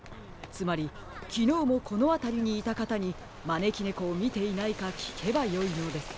つまりきのうもこのあたりにいたかたにまねきねこをみていないかきけばよいのです。